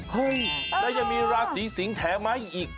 เฮ้ยแล้วยังมีลาศรีสิงค์แถวไหมอีก